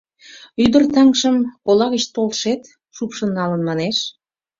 — Ӱдыр таҥжым ола гыч толшет шупшын налын, манеш.